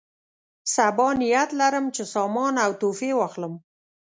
سبا نیت لرم چې سامان او تحفې واخلم.